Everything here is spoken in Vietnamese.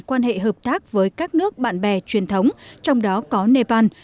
quan hệ hợp tác với các nước bạn bè truyền thống trong đó có nepal